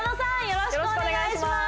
よろしくお願いします